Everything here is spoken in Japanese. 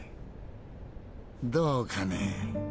どうかね？